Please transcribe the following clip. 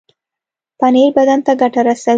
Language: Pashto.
پنېر بدن ته ګټه رسوي.